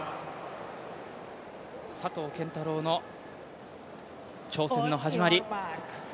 佐藤拳太郎の挑戦の始まり。